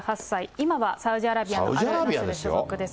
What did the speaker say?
今はサウジアラビアのアル・ナスルに所属です。